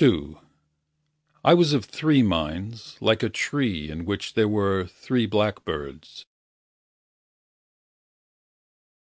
II I was of three minds Like a tree In which there are three blackbirds.